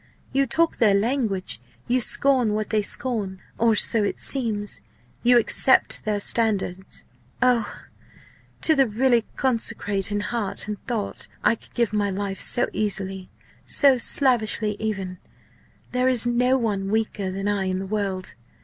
You talk their language; you scorn what they scorn, or so it seems; you accept their standards. Oh! to the really 'consecrate' in heart and thought I could give my life so easily, so slavishly even! There is no one weaker than I in the world.